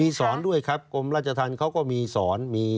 มีสอนด้วยครับกรมราชธรรมเขาก็มีสอน